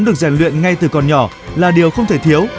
được rèn luyện ngay từ còn nhỏ là điều không thể thiếu